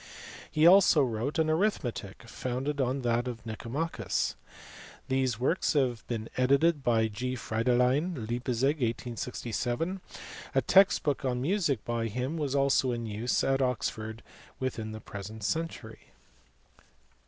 He also wrote an Arithmetic, founded on that of Mcomachus. These works have been edited by G. Friedlein, Leipzig, 1867. A text book on music by him was in use at Oxford within the present century.